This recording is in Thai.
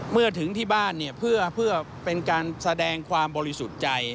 เมื่อถึงที่บ้านเนี่ยเพื่อเป็นการแสดงความบริสุทธิ์ใจ